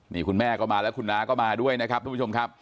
นี่คุณแม่ก็มาแล้วคุณน้าก็มาด้วยนะครับทุกผู้ชมครับ